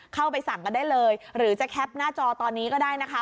เข้าไปสั่งกันได้เลยหรือจะแคปหน้าจอตอนนี้ก็ได้นะคะ